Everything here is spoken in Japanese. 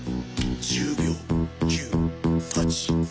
１０秒９・８・７。